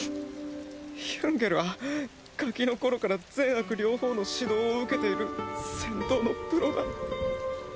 ヒュンケルはガキのころから善悪両方の指導を受けている戦闘のプロだ。